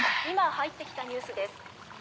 今入ってきたニュースです。